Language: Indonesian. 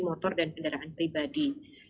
motor dan kendaraan pribadi